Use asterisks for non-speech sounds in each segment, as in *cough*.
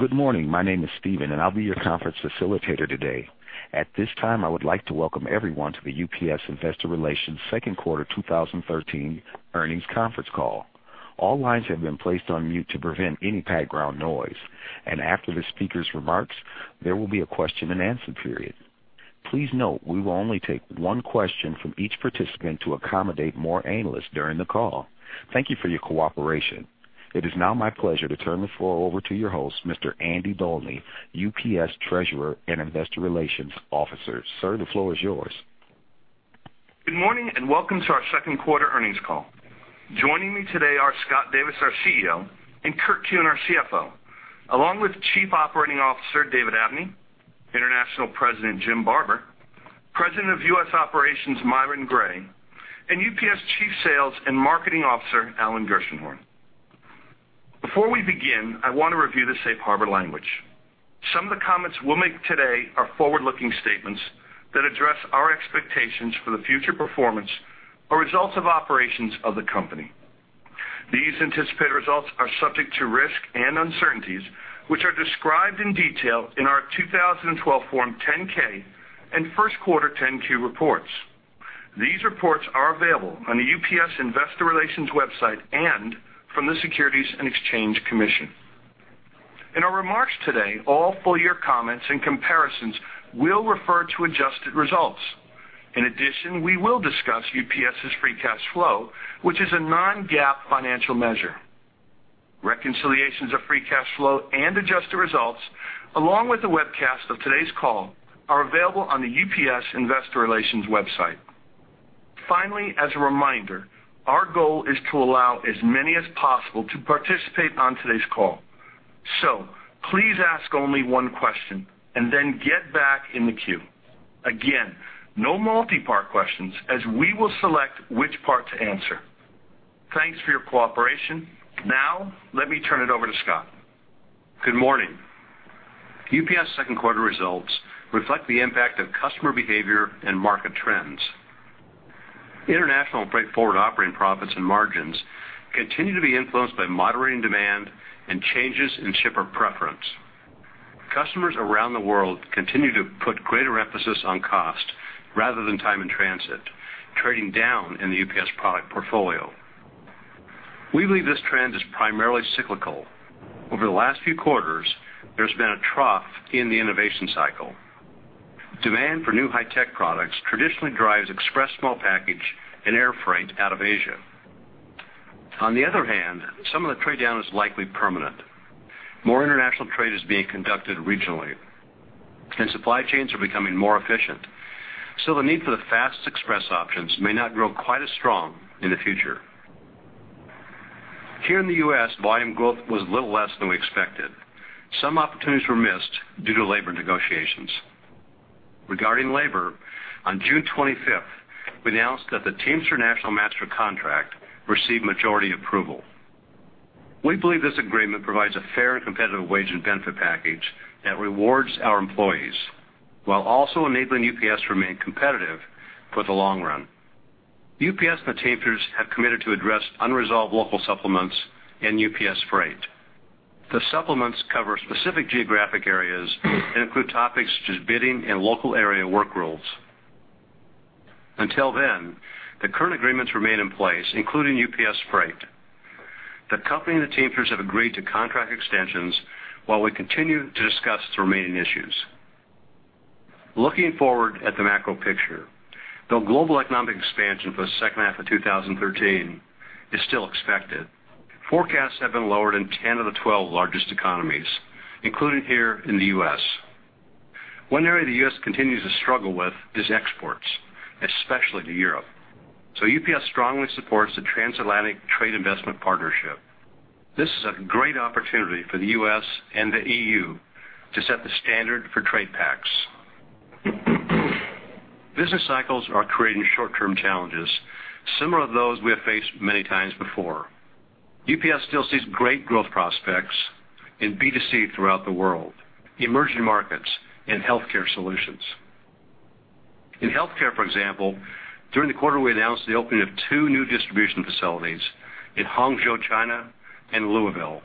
Good morning. My name is Steven, and I'll be your conference facilitator today. At this time, I would like to welcome everyone to the UPS Investor Relations second quarter 2013 earnings conference call. All lines have been placed on mute to prevent any background noise, and after the speaker's remarks, there will be a question-and-answer period. Please note, we will only take one question from each participant to accommodate more analysts during the call. Thank you for your cooperation. It is now my pleasure to turn the floor over to your host, Mr. Andy Dolny, UPS Treasurer and Investor Relations Officer. Sir, the floor is yours. Good morning, and welcome to our second quarter earnings call. Joining me today are Scott Davis, our CEO, and Kurt Kuehn, our CFO, along with Chief Operating Officer David Abney, International President Jim Barber, President of US Operations Myron Gray, and UPS Chief Sales and Marketing Officer Alan Gershenhorn. Before we begin, I want to review the safe harbor language. Some of the comments we'll make today are forward-looking statements that address our expectations for the future performance or results of operations of the company. These anticipated results are subject to risk and uncertainties, which are described in detail in our 2012 Form 10-K and first quarter 10-Q reports. These reports are available on the UPS Investor Relations website and from the Securities and Exchange Commission. In our remarks today, all full year comments and comparisons will refer to adjusted results. In addition, we will discuss UPS's free cash flow, which is a non-GAAP financial measure. Reconciliations of free cash flow and adjusted results, along with the webcast of today's call, are available on the UPS Investor Relations website. Finally, as a reminder, our goal is to allow as many as possible to participate on today's call. So please ask only one question and then get back in the queue. Again, no multipart questions, as we will select which part to answer. Thanks for your cooperation. Now, let me turn it over to Scott. Good morning. UPS second quarter results reflect the impact of customer behavior and market trends. International freight forward operating profits and margins continue to be influenced by moderating demand and changes in shipper preference. Customers around the world continue to put greater emphasis on cost rather than time in transit, trading down in the UPS product portfolio. We believe this trend is primarily cyclical. Over the last few quarters, there's been a trough in the innovation cycle. Demand for new high-tech products traditionally drives express small package and air freight out of Asia. On the other hand, some of the trade-down is likely permanent. More international trade is being conducted regionally, and supply chains are becoming more efficient, so the need for the fastest express options may not grow quite as strong in the future. Here in the US, volume growth was a little less than we expected. Some opportunities were missed due to labor negotiations. Regarding labor, on June 25th, we announced that the Teamsters National Master Contract received majority approval. We believe this agreement provides a fair and competitive wage and benefit package that rewards our employees while also enabling UPS to remain competitive for the long run. UPS and the Teamsters have committed to address unresolved local supplements in UPS Freight. The supplements cover specific geographic areas and include topics such as bidding and local area work rules. Until then, the current agreements remain in place, including UPS Freight. The company and the Teamsters have agreed to contract extensions while we continue to discuss the remaining issues. Looking forward at the macro picture, though global economic expansion for the second half of 2013 is still expected, forecasts have been lowered in 10 of the 12 largest economies, including here in the US. One area the US continues to struggle with is exports, especially to Europe. So UPS strongly supports the Transatlantic Trade and Investment Partnership. This is a great opportunity for the US and the EU to set the standard for trade pacts. Business cycles are creating short-term challenges, similar to those we have faced many times before. UPS still sees great growth prospects in B2C throughout the world, emerging markets and healthcare solutions. In healthcare, for example, during the quarter, we announced the opening of two new distribution facilities in Hangzhou, China, and Louisville,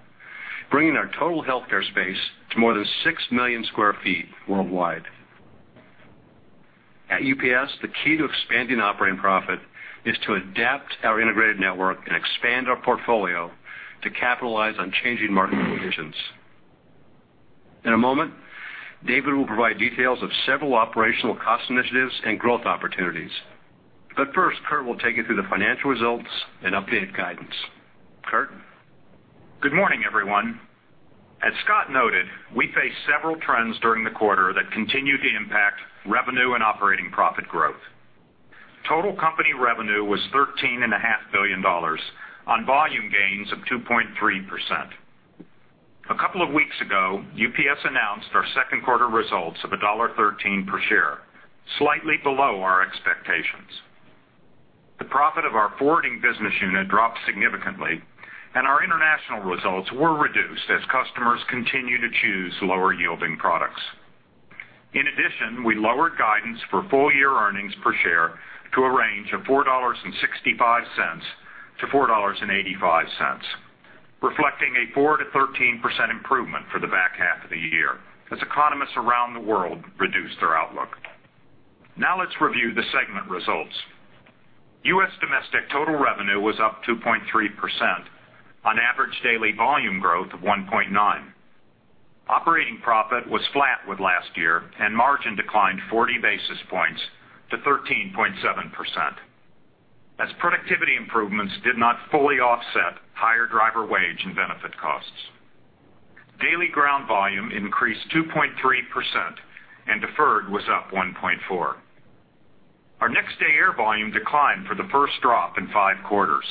bringing our total healthcare space to more than 6 million sq ft worldwide. At UPS, the key to expanding operating profit is to adapt our integrated network and expand our portfolio to capitalize on changing market conditions. In a moment, David will provide details of several operational cost initiatives and growth opportunities. First, Kurt will take you through the financial results and updated guidance. Kurt? Good morning, everyone. As Scott noted, we faced several trends during the quarter that continued to impact revenue and operating profit growth. Total company revenue was $13.5 billion on volume gains of 2.3%. A couple of weeks ago, UPS announced our second quarter results of $13 per share, slightly below our expectations. The profit of our forwarding business unit dropped significantly, and our international results were reduced as customers continued to choose lower-yielding products. In addition, we lowered guidance for full-year earnings per share to a range of $4.65-$4.85, reflecting a 4%-13% improvement for the back half of the year, as economists around the world reduce their outlook. Now let's review the segment results. U.S. Domestic total revenue was up 2.3% on average daily volume growth of 1.9. Operating profit was flat with last year, and margin declined 40 basis points to 13.7%. As productivity improvements did not fully offset higher driver wage and benefit costs. Daily ground volume increased 2.3%, and deferred was up 1.4. Our Next Day Air volume declined for the first drop in 5 quarters.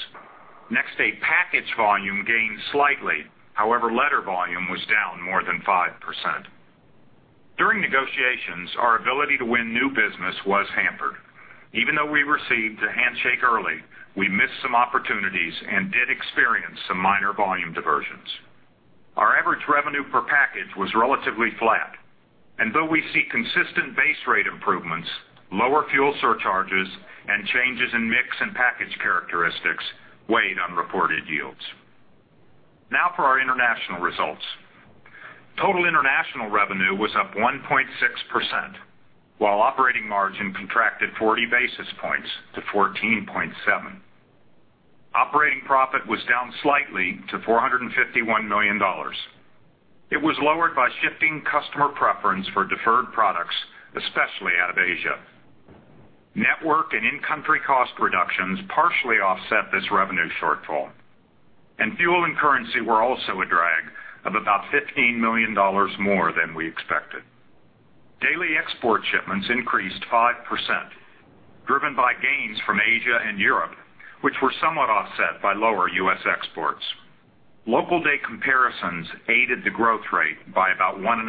Next-day package volume gained slightly. However, letter volume was down more than 5%. During negotiations, our ability to win new business was hampered. Even though we received the handshake early, we missed some opportunities and did experience some minor volume diversions. Our average revenue per package was relatively flat, and though we see consistent base rate improvements, lower fuel surcharges and changes in mix and package characteristics weighed on reported yields. Now for our international results. Total international revenue was up 1.6%, while operating margin contracted 40 basis points to 14.7%. Operating profit was down slightly to $451 million. It was lowered by shifting customer preference for deferred products, especially out of Asia. Network and in-country cost reductions partially offset this revenue shortfall, and fuel and currency were also a drag of about $15 million more than we expected. Daily export shipments increased 5%, driven by gains from Asia and Europe, which were somewhat offset by lower US exports. Local day comparisons aided the growth rate by about 1.5%.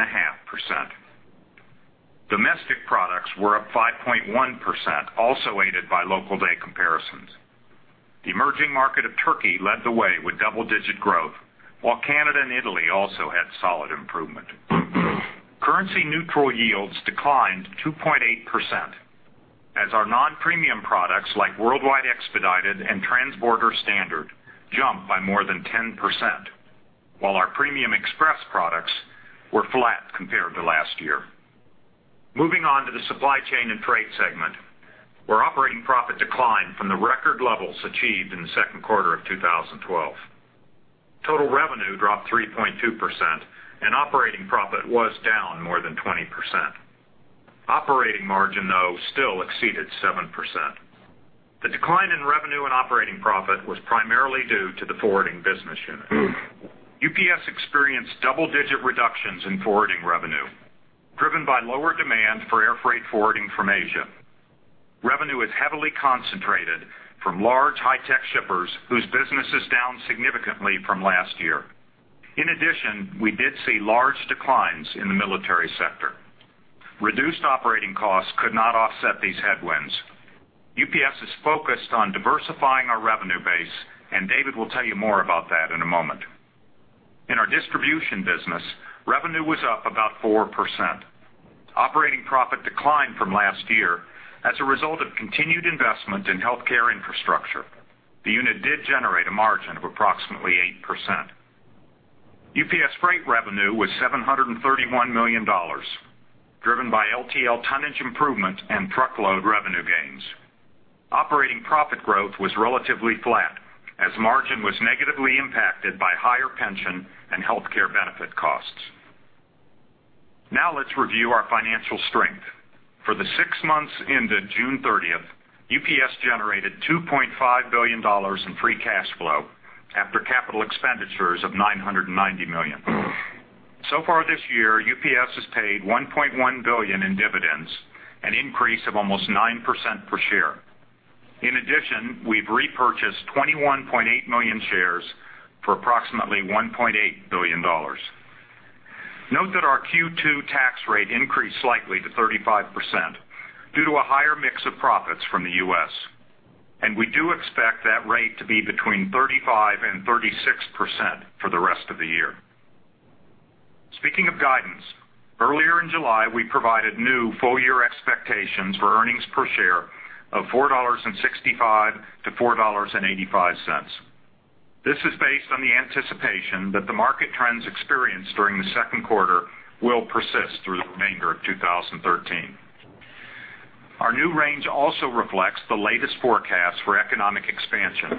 Domestic products were up 5.1%, also aided by local day comparisons. The emerging market of Turkey led the way with double-digit growth, while Canada and Italy also had solid improvement. Currency-neutral yields declined 2.8%, as our non-premium products, like Worldwide Expedited and Transborder Standard, jumped by more than 10%, while our premium express products were flat compared to last year. Moving on to the Supply Chain and Freight segment, where operating profit declined from the record levels achieved in the second quarter of 2012. Total revenue dropped 3.2%, and operating profit was down more than 20%. Operating margin, though, still exceeded 7%. The decline in revenue and operating profit was primarily due to the forwarding business unit. UPS experienced double-digit reductions in forwarding revenue, driven by lower demand for airfreight forwarding from Asia. Revenue is heavily concentrated from large, high-tech shippers whose business is down significantly from last year. In addition, we did see large declines in the military sector. Reduced operating costs could not offset these headwinds. UPS is focused on diversifying our revenue base, and David will tell you more about that in a moment. In our distribution business, revenue was up about 4%. Operating profit declined from last year as a result of continued investment in healthcare infrastructure. The unit did generate a margin of approximately 8%. UPS freight revenue was $731 million, driven by LTL tonnage improvement and truckload revenue gains. Operating profit growth was relatively flat as margin was negatively impacted by higher pension and healthcare benefit costs. Now let's review our financial strength. For the six months ended June 30th, UPS generated $2.5 billion in free cash flow after capital expenditures of $990 million. So far this year, UPS has paid $1.1 billion in dividends, an increase of almost 9% per share. In addition, we've repurchased 21.8 million shares for approximately $1.8 billion. Note that our Q2 tax rate increased slightly to 35% due to a higher mix of profits from the U.S., and we do expect that rate to be between 35% and 36% for the rest of the year. Speaking of guidance, earlier in July, we provided new full-year expectations for earnings per share of $4.65-$4.85. This is based on the anticipation that the market trends experienced during the second quarter will persist through the remainder of 2013. Our new range also reflects the latest forecast for economic expansion.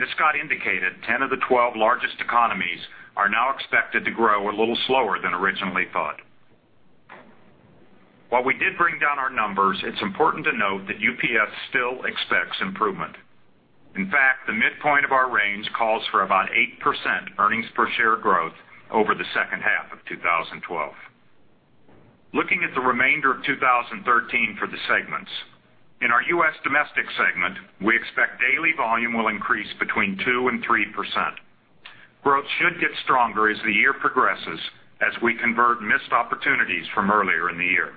As Scott indicated, 10 of the 12 largest economies are now expected to grow a little slower than originally thought. While we did bring down our numbers, it's important to note that UPS still expects improvement. In fact, the midpoint of our range calls for about 8% earnings per share growth over the second half of 2012. Looking at the remainder of 2013 for the segments, in our US Domestic segment, we expect daily volume will increase between 2% and 3%. Growth should get stronger as the year progresses, as we convert missed opportunities from earlier in the year.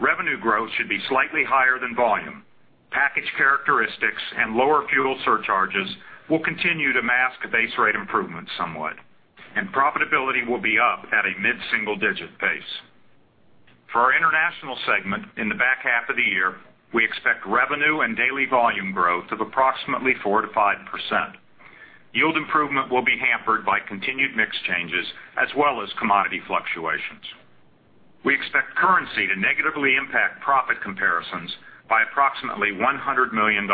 Revenue growth should be slightly higher than volume. Package characteristics and lower fuel surcharges will continue to mask base rate improvement somewhat, and profitability will be up at a mid-single-digit pace. For our international segment, in the back half of the year, we expect revenue and daily volume growth of approximately 4%-5%. Yield improvement will be hampered by continued mix changes as well as commodity fluctuations. We expect currency to negatively impact profit comparisons by approximately $100 million.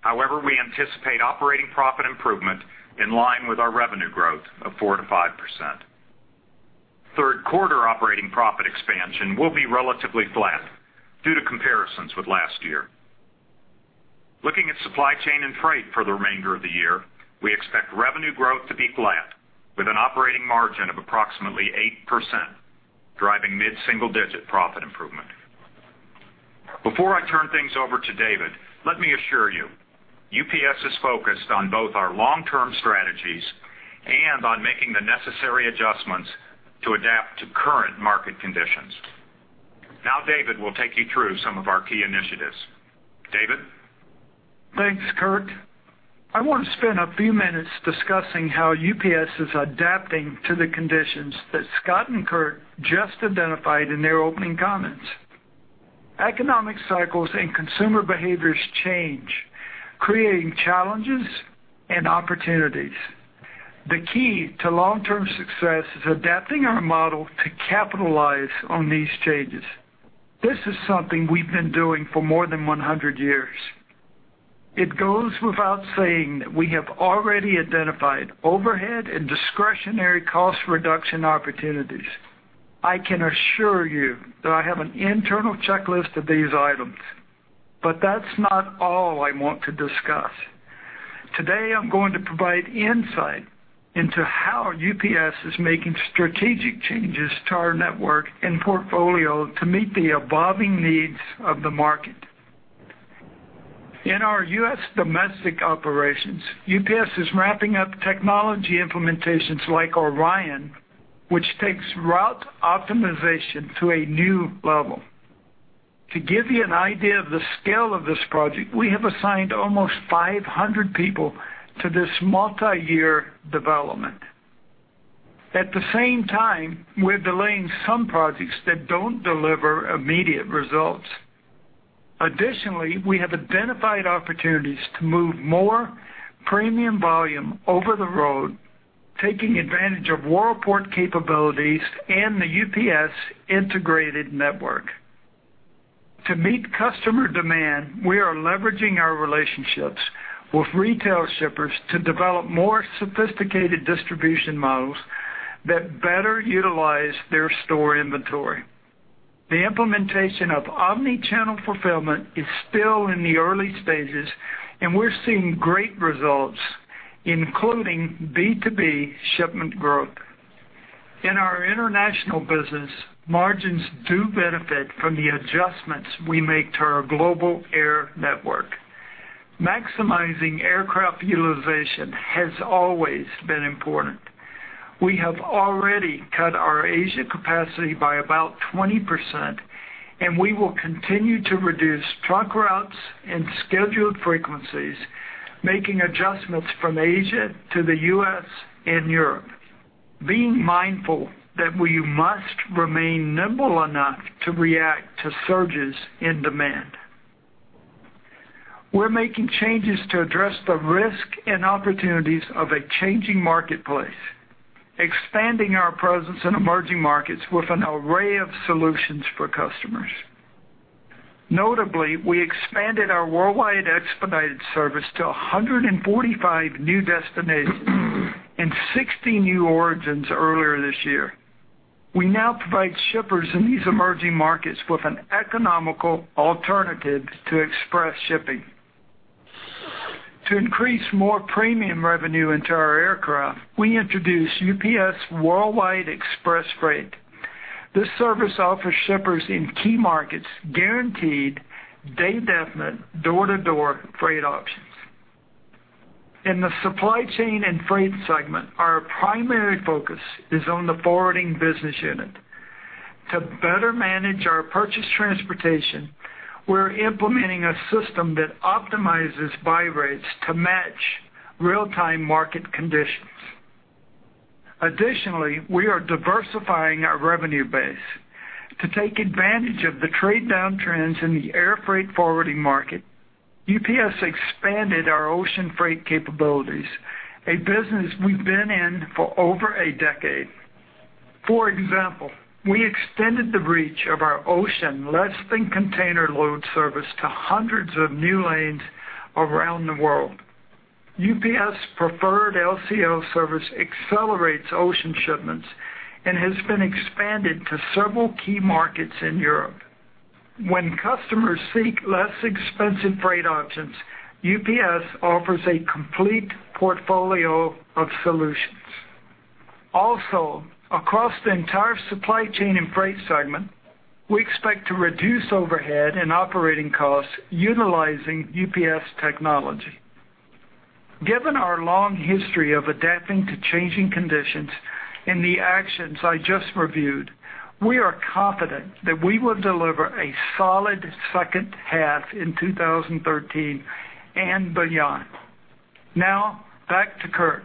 However, we anticipate operating profit improvement in line with our revenue growth of 4%-5%. Third quarter operating profit expansion will be relatively flat due to comparisons with last year. Looking at supply chain and freight for the remainder of the year, we expect revenue growth to be flat, with an operating margin of approximately 8%, driving mid-single-digit profit improvement. Before I turn things over to David, let me assure you, UPS is focused on both our long-term strategies and on making the necessary adjustments to adapt to current market conditions. Now, David will take you through some of our key initiatives. David? Thanks, Kurt. I want to spend a few minutes discussing how UPS is adapting to the conditions that Scott and Kurt just identified in their opening comments. Economic cycles and consumer behaviors change, creating challenges and opportunities. The key to long-term success is adapting our model to capitalize on these changes. This is something we've been doing for more than 100 years. It goes without saying that we have already identified overhead and discretionary cost reduction opportunities. I can assure you that I have an internal checklist of these items, but that's not all I want to discuss. Today, I'm going to provide insight into how UPS is making strategic changes to our network and portfolio to meet the evolving needs of the market. In our US domestic operations, UPS is wrapping up technology implementations like ORION, which takes route optimization to a new level. To give you an idea of the scale of this project, we have assigned almost 500 people to this multiyear development. At the same time, we're delaying some projects that don't deliver immediate results. Additionally, we have identified opportunities to move more premium volume over the road, taking advantage of Worldport capabilities and the UPS integrated network. To meet customer demand, we are leveraging our relationships with retail shippers to develop more sophisticated distribution models that better utilize their store inventory. The implementation of omnichannel fulfillment is still in the early stages, and we're seeing great results, including B2B shipment growth. In our international business, margins do benefit from the adjustments we make to our global air network. Maximizing aircraft utilization has always been important. We have already cut our Asia capacity by about 20%, and we will continue to reduce truck routes and scheduled frequencies, making adjustments from Asia to the US and Europe, being mindful that we must remain nimble enough to react to surges in demand. We're making changes to address the risk and opportunities of a changing marketplace, expanding our presence in emerging markets with an array of solutions for customers. Notably, we expanded our worldwide expedited service to 145 new destinations and 60 new origins earlier this year. We now provide shippers in these emerging markets with an economical alternative to express shipping. To increase more premium revenue into our aircraft, we introduced UPS Worldwide Express Freight. This service offers shippers in key markets guaranteed, day-definite, door-to-door freight options. In the supply chain and freight segment, our primary focus is on the forwarding business unit. To better manage our purchase transportation, we're implementing a system that optimizes buy rates to match real-time market conditions. Additionally, we are diversifying our revenue base. To take advantage of the trade downtrends in the air freight forwarding market, UPS expanded our ocean freight capabilities, a business we've been in for over a decade. For example, we extended the reach of our ocean less than container load service to hundreds of new lanes around the world. UPS Preferred LCL service accelerates ocean shipments and has been expanded to several key markets in Europe. When customers seek less expensive freight options, UPS offers a complete portfolio of solutions. Also, across the entire supply chain and freight segment, we expect to reduce overhead and operating costs utilizing UPS technology.... Given our long history of adapting to changing conditions and the actions I just reviewed, we are confident that we will deliver a solid second half in 2013 and beyond. Now, back to Kurt.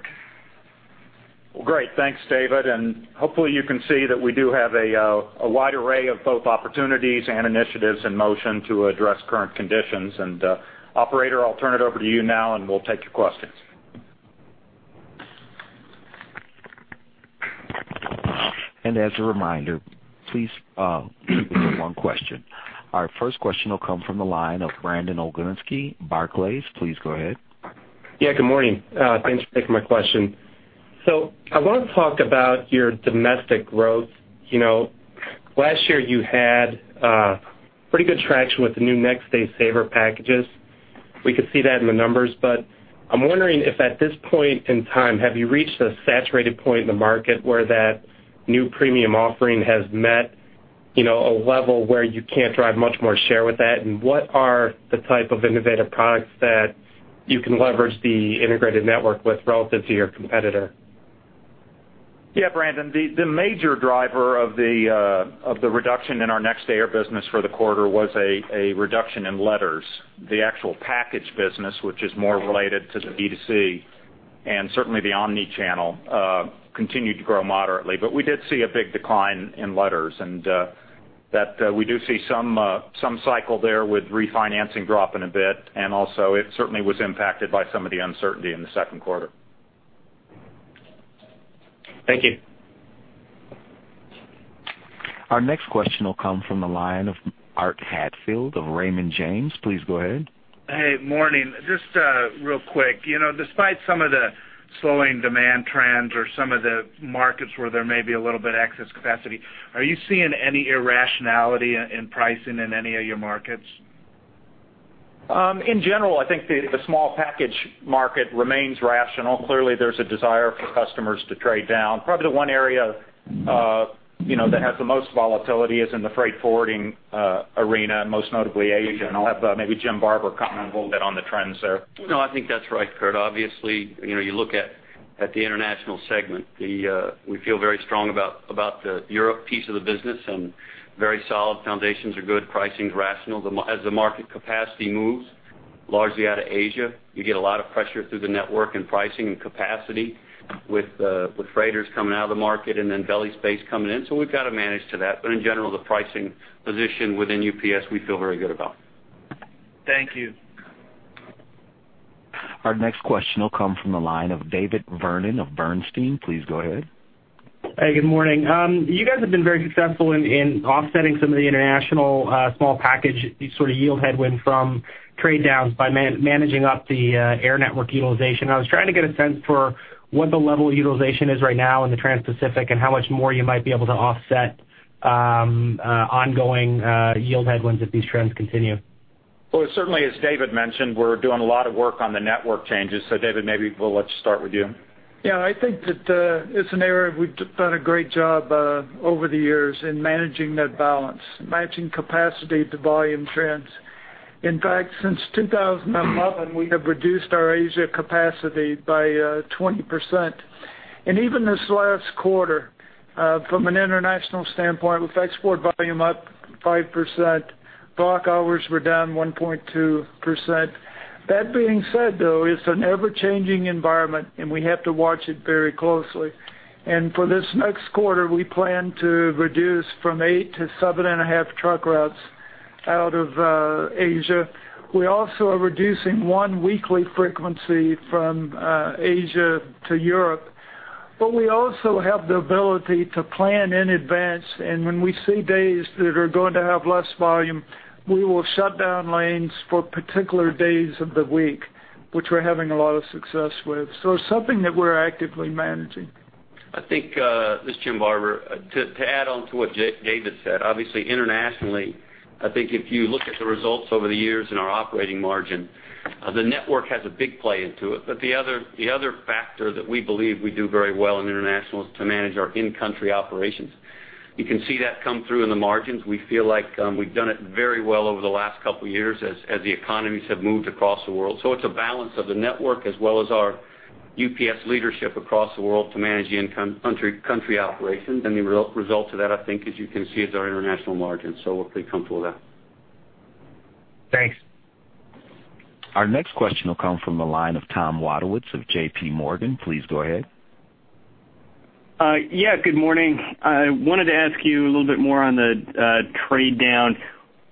Well, great. Thanks, David, and hopefully, you can see that we do have a wide array of both opportunities and initiatives in motion to address current conditions. Operator, I'll turn it over to you now, and we'll take your questions. As a reminder, please, limit it to one question. Our first question will come from the line of Brandon Oglenski, Barclays. Please go ahead. Yeah, good morning. Thanks for taking my question. So I want to talk about your domestic growth. You know, last year, you had pretty good traction with the new Next Day Saver packages. We could see that in the numbers, but I'm wondering if, at this point in time, have you reached a saturated point in the market where that new premium offering has met, you know, a level where you can't drive much more share with that? And what are the type of innovative products that you can leverage the integrated network with relative to your competitor? Yeah, Brandon, the major driver of the reduction in our Next Day Air business for the quarter was a reduction in letters. The actual package business, which is more related to the B2C, and certainly, the omni-channel, continued to grow moderately. But we did see a big decline in letters, and that we do see some cycle there with refinancing dropping a bit, and also, it certainly was impacted by some of the uncertainty in the second quarter. Thank you. Our next question will come from the line of Art Hatfield of Raymond James. Please go ahead. Hey, morning. Just, real quick, you know, despite some of the slowing demand trends or some of the markets where there may be a little bit of excess capacity, are you seeing any irrationality in, in pricing in any of your markets? In general, I think the small package market remains rational. Clearly, there's a desire for customers to trade down. Probably the one area, you know, that has the most volatility is in the freight forwarding arena, most notably Asia. I'll have maybe Jim Barber comment a little bit on the trends there. No, I think that's right, Kurt. Obviously, you know, you look at, at the international segment, the, we feel very strong about, about the Europe piece of the business, and very solid foundations are good, pricing's rational. As the market capacity moves largely out of Asia, you get a lot of pressure through the network and pricing and capacity with, with freighters coming out of the market and then belly space coming in. So we've got to manage to that. But in general, the pricing position within UPS, we feel very good about. Thank you. Our next question will come from the line of David Vernon of Bernstein. Please go ahead. Hey, good morning. You guys have been very successful in offsetting some of the international small package, sort of, yield headwind from trade downs by managing up the air network utilization. I was trying to get a sense for what the level of utilization is right now in the Transpacific, and how much more you might be able to offset ongoing yield headwinds if these trends continue. Well, certainly, as David mentioned, we're doing a lot of work on the network changes. So David, maybe let's start with you. Yeah, I think that, it's an area we've done a great job, over the years in managing that balance, managing capacity to volume trends. In fact, since 2011, we have reduced our Asia capacity by 20%. And even this last quarter, from an international standpoint, with export volume up 5%, block hours were down 1.2%. That being said, though, it's an ever-changing environment, and we have to watch it very closely. And for this next quarter, we plan to reduce from 8 to 7.5 truck routes out of Asia. We also are reducing 1 weekly frequency from Asia to Europe. But we also have the ability to plan in advance, and when we see days that are going to have less volume, we will shut down lanes for particular days of the week, which we're having a lot of success with. So it's something that we're actively managing. I think this is Jim Barber. To add on to what David said, obviously, internationally, I think if you look at the results over the years in our operating margin, the network has a big play into it. But the other factor that we believe we do very well in international is to manage our in-country operations. You can see that come through in the margins. We feel like we've done it very well over the last couple of years as the economies have moved across the world. So it's a balance of the network, as well as our UPS leadership across the world to manage the in-country operations. And the result of that, I think, as you can see, is our international margins. So we're pretty comfortable with that. Thanks. Our next question will come from the line of Tom Wadewitz of J.P. Morgan. Please go ahead. Yeah, good morning. I wanted to ask you a little bit more on the trade down.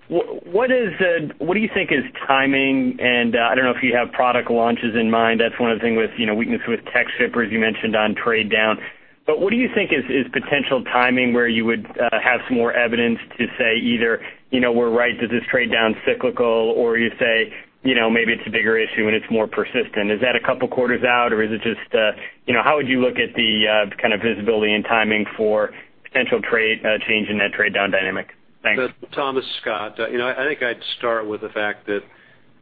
What is the *audio distortion* what do you think is timing? And I don't know if you have product launches in mind. That's one of the things with, you know, weakness with tech shippers you mentioned on trade down. But what do you think is potential timing where you would have some more evidence to say either, you know, we're right, this is trade down cyclical, or you say, you know, maybe it's a bigger issue and it's more persistent? Is that a couple of quarters out, or is it just, you know, how would you look at the kind of visibility and timing for potential trade change in that trade down dynamic? Thanks. Thomas, Scott. You know, I think I'd start with the fact that,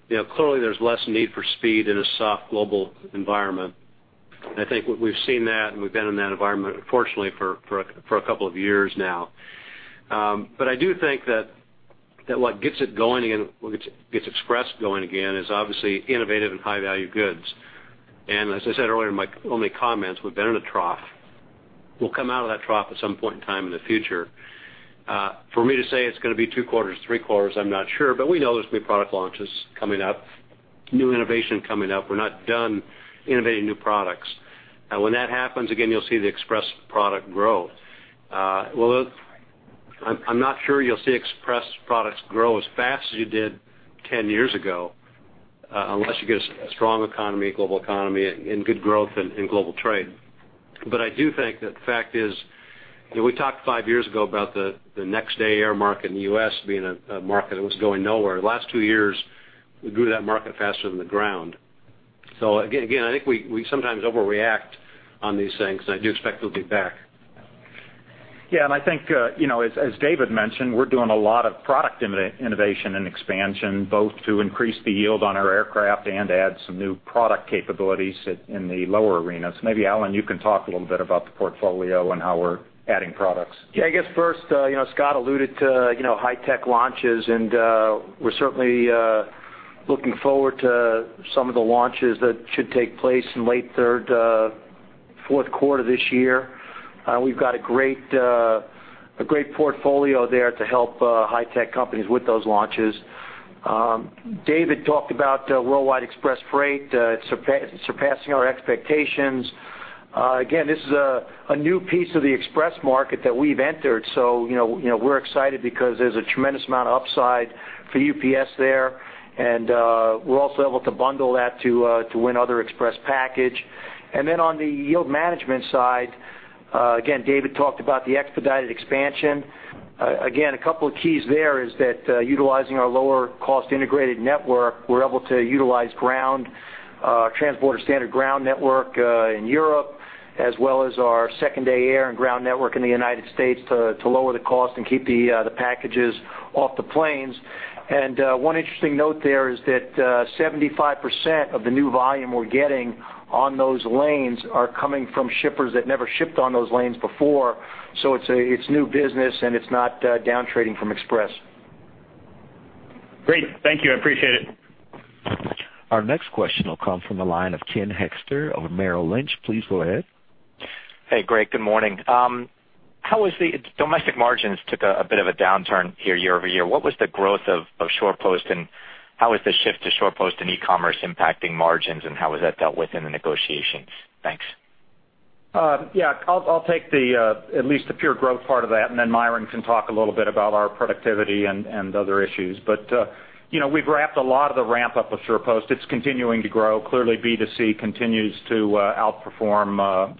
you know, clearly there's less need for speed in a soft global environment. I think we've seen that, and we've been in that environment, unfortunately, for a couple of years now. But I do think that what gets it going again, what gets Express going again, is obviously innovative and high-value goods. And as I said earlier in my opening comments, we've been in a trough. We'll come out of that trough at some point in time in the future. For me to say it's going to be two quarters, three quarters, I'm not sure, but we know there's new product launches coming up, new innovation coming up. We're not done innovating new products. And when that happens, again, you'll see the Express product grow. Well, I'm not sure you'll see Express products grow as fast as you did 10 years ago, unless you get a strong economy, global economy, and good growth in global trade. But I do think that the fact is, you know, we talked 5 years ago about the Next Day Air market in the US being a market that was going nowhere. The last 2 years, we grew that market faster than the ground. So again, I think we sometimes overreact on these things, and I do expect it'll be back. Yeah, and I think, you know, as, as David mentioned, we're doing a lot of product innovation and expansion, both to increase the yield on our aircraft and add some new product capabilities at, in the lower arenas. Maybe, Alan, you can talk a little bit about the portfolio and how we're adding products. Yeah, I guess first, you know, Scott alluded to, you know, high tech launches, and, we're certainly, looking forward to some of the launches that should take place in late third, fourth quarter this year. We've got a great, a great portfolio there to help, high tech companies with those launches. David talked about, Worldwide Express Freight, surpassing our expectations. Again, this is a, a new piece of the express market that we've entered. So you know, you know, we're excited because there's a tremendous amount of upside for UPS there, and, we're also able to bundle that to, to win other express package. And then on the yield management side, again, David talked about the expedited expansion. Again, a couple of keys there is that, utilizing our lower cost integrated network, we're able to utilize ground, Transborder Standard ground network, in Europe, as well as our Second Day Air and ground network in the United States to lower the cost and keep the packages off the planes. And one interesting note there is that, 75% of the new volume we're getting on those lanes are coming from shippers that never shipped on those lanes before. So it's new business, and it's not down trading from Express. Great. Thank you. I appreciate it. Our next question will come from the line of Ken Hoexter of Merrill Lynch. Please go ahead. Hey, great. Good morning. Domestic margins took a bit of a downturn here year-over-year. What was the growth of SurePost, and how is the shift to SurePost and e-commerce impacting margins, and how is that dealt with in the negotiations? Thanks. Yeah, I'll take at least the pure growth part of that, and then Myron can talk a little bit about our productivity and other issues. But you know, we've wrapped a lot of the ramp up of SurePost. It's continuing to grow. Clearly, B2C continues to outperform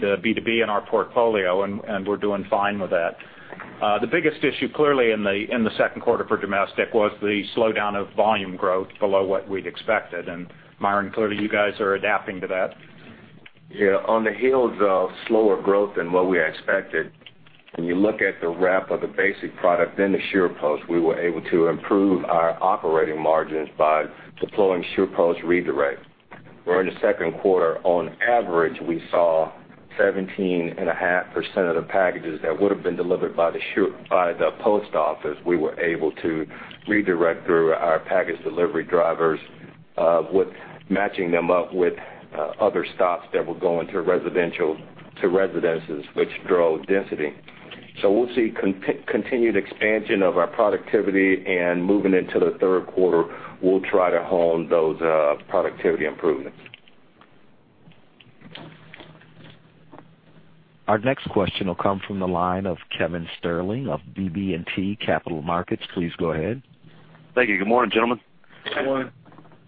the B2B in our portfolio, and we're doing fine with that. The biggest issue, clearly in the second quarter for domestic was the slowdown of volume growth below what we'd expected. And Myron, clearly, you guys are adapting to that. Yeah, on the heels of slower growth than what we expected, when you look at the ramp of the basic product in the SurePost, we were able to improve our operating margins by deploying SurePost Redirect, where in the second quarter, on average, we saw 17.5% of the packages that would have been delivered by the post office, we were able to redirect through our package delivery drivers, with matching them up with other stops that were going to residential, to residences, which drove density. So we'll see continued expansion of our productivity, and moving into the third quarter, we'll try to hone those productivity improvements. Our next question will come from the line of Kevin Sterling of BB&T Capital Markets. Please go ahead. Thank you. Good morning, gentlemen. Good morning.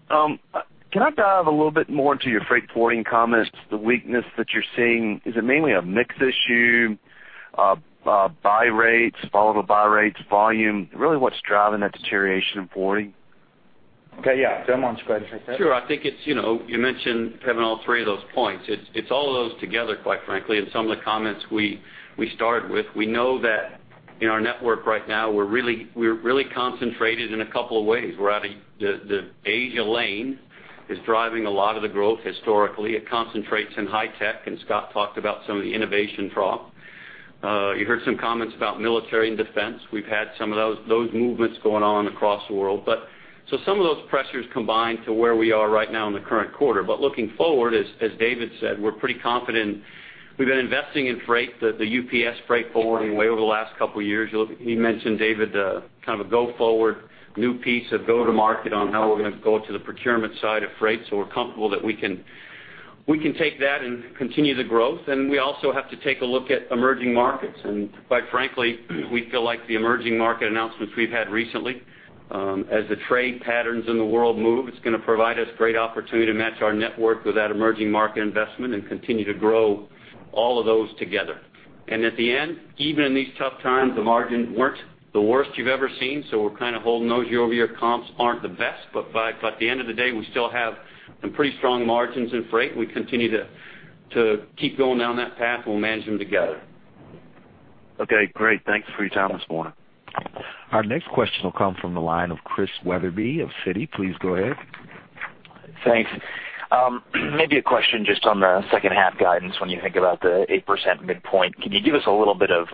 Can I dive a little bit more into your freight forwarding comments? The weakness that you're seeing, is it mainly a mix issue, buy rates, follow the buy rates, volume? Really, what's driving that deterioration in forwarding? Okay. Yeah, Jim, why don't you go ahead and take that? Sure. I think it's, you know, you mentioned, Kevin, all three of those points. It's all of those together, quite frankly, and some of the comments we started with. We know that in our network right now, we're really concentrated in a couple of ways. We're at a. The Asia lane is driving a lot of the growth historically. It concentrates in high tech, and Scott talked about some of the innovation through. You heard some comments about military and defense. We've had some of those movements going on across the world. But so some of those pressures combine to where we are right now in the current quarter. But looking forward, as David said, we're pretty confident. We've been investing in freight, the UPS freight forwarding way over the last couple of years. He mentioned, David, kind of a go-forward, new piece of go-to-market on how we're going to go to the procurement side of freight. So we're comfortable that we can, we can take that and continue the growth, and we also have to take a look at emerging markets. And quite frankly, we feel like the emerging market announcements we've had recently, as the trade patterns in the world move, it's going to provide us great opportunity to match our network with that emerging market investment and continue to grow all of those together. And at the end, even in these tough times, the margins weren't the worst you've ever seen, so we're kind of holding those year-over-year comps aren't the best, but by, by the end of the day, we still have some pretty strong margins in freight. We continue to keep going down that path, and we'll manage them together. Okay, great. Thanks for your time this morning. Our next question will come from the line of Chris Wetherbee of Citi. Please go ahead. Thanks. Maybe a question just on the second half guidance when you think about the 8% midpoint. Can you give us a little bit of,